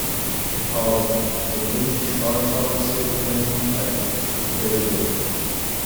Hall, the British Army Officer Commanding at Pietersburg.